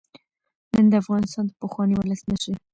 نن د افغانستان د پخواني ولسمشر